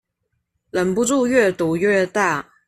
忍不住越賭越大